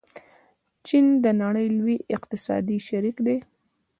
چین د نړۍ لوی اقتصادي شریک دی.